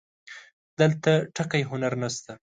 دلته ټکی هنر نه شته